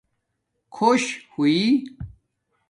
خݸش ہݸئ